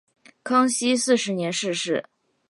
康熙四十年逝世。